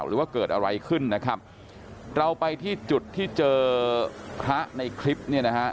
หรือว่าเกิดอะไรขึ้นนะครับเราไปที่จุดที่เจอพระในคลิปเนี่ยนะฮะ